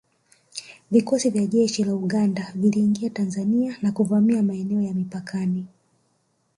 Vikosi vya jeshi la Uganda viliingia Tanzania na kuvamia maeneo ya mpakani